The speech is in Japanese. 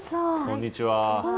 こんにちは。